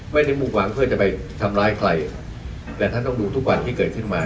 ไม่ได้มุ่งหวังเพื่อจะไปทำร้ายใครแต่ท่านต้องดูทุกวันที่เกิดขึ้นมา